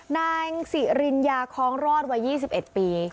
นายสิริญญาคล้องรอดวัย๒๑ปี